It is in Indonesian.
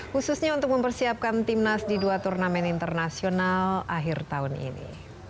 khususnya untuk mempersiapkan timnas di dua turnamen internasional akhir tahun ini